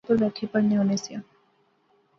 اس ٹاٹاں اوپر بیٹھی پڑھنے ہونے سیاں